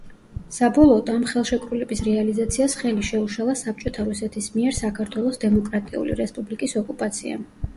საბოლოოდ, ამ ხელშეკრულების რეალიზაციას ხელი შეუშალა საბჭოთა რუსეთის მიერ საქართველოს დემოკრატიული რესპუბლიკის ოკუპაციამ.